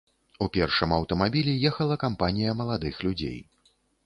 У першым аўтамабілі ехала кампанія маладых людзей.